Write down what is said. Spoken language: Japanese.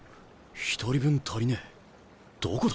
１人分足りねえどこだ？